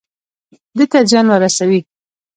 ده ته زيان ورسوي.